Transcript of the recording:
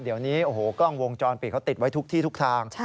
เดี๋ยวนี้โอ้โหกล้องวงจรปิดเขาติดไว้ทุกที่ทุกทาง